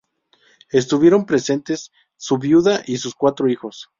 Estuvieron presentes su viuda y sus cuatro hijos.